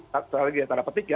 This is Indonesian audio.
terlebih lagi yang tanda petik ya